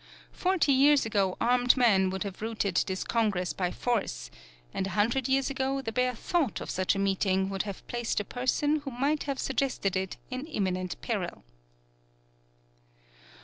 Forty years ago armed men would have routed this Congress by force, and a hundred years ago the bare thought of such a meeting would have placed a person who might have suggested it in imminent peril.